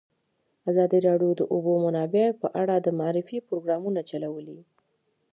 ازادي راډیو د د اوبو منابع په اړه د معارفې پروګرامونه چلولي.